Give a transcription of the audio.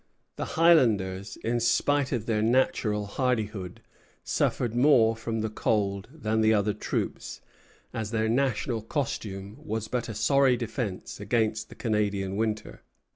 The Highlanders, in spite of their natural hardihood, suffered more from the cold than the other troops, as their national costume was but a sorry defence against the Canadian winter.